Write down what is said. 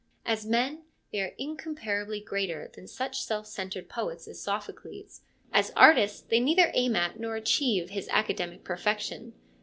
As men they are incomparably 150 ARISTOPHANES 151 greater than such self centred poets as Sophocles ; as artists they neither aim at nor achieve his academic perfection.